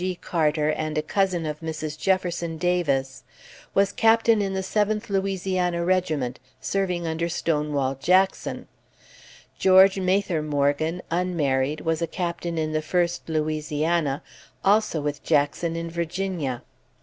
G. Carter and a cousin of Mrs. Jefferson Davis, was Captain in the Seventh Louisiana Regiment, serving under Stonewall Jackson; George Mather Morgan, unmarried, was a Captain in the First Louisiana, also with Jackson in Virginia.